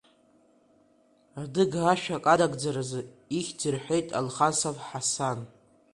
Адыга ашәак анагӡаразы ихьӡ рҳәеит Алхасов Ҳасан.